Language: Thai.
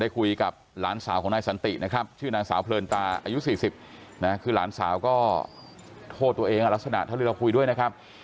คุยกับหลานสาวของนายสันตินะครับชื่อนางสาวเพลินตาอายุ๔๐นะคือหลานสาวก็โทษตัวเองลักษณะเท่าที่เราคุยด้วยนะครับ